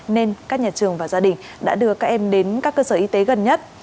nên các nhà trường và gia đình đã đưa các em đến các cơ sở y tế gần nhất